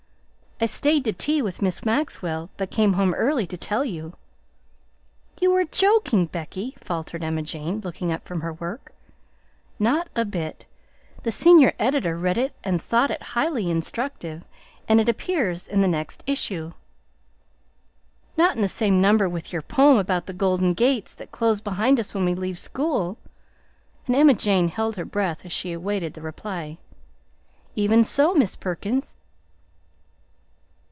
"I stayed to tea with Miss Maxwell, but came home early to tell you." "You are joking, Becky!" faltered Emma Jane, looking up from her work. "Not a bit; the senior editor read it and thought it highly instructive; it appears in the next issue." "Not in the same number with your poem about the golden gates that close behind us when we leave school?" and Emma Jane held her breath as she awaited the reply. "Even so, Miss Perkins."